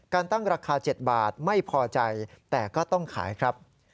ตั้งราคา๗บาทไม่พอใจแต่ก็ต้องขายครับ